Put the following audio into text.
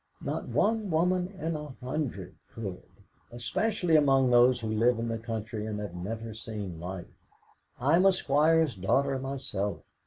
Not one woman in a hundred could, especially among those who live in the country and have never seen life. I'm a squire's daughter myself."